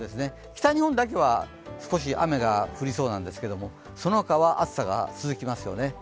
北日本だけは、少し雨が降りそうなんですけどもそのほかは暑さが続きますよね。